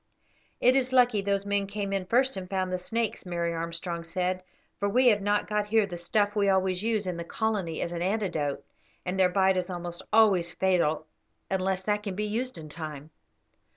"It is lucky those men came in first and found the snakes," Mary Armstrong said, "for we have not got here the stuff we always use in the colony as an antidote, and their bite is almost always fatal unless that can be used in time."